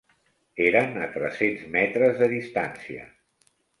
Eren a tres-cents metres de distància.